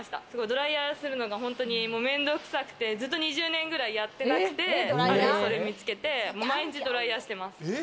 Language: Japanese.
ドライヤーするのが本当にめんどくさくてずっと２０年くらいやってなくて、それ見つけて、毎日ドライヤーしてます。